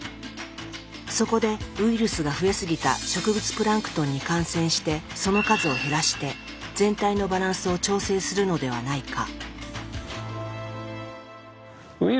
そこでウイルスが増えすぎた植物プランクトンに感染してその数を減らして全体のバランスを調整するのではないか。